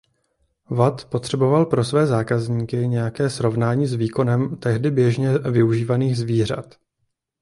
Watt potřeboval pro své zákazníky nějaké srovnání s výkonem tehdy běžně využívaných zvířat.